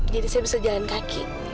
jadi saya bisa jalan kaki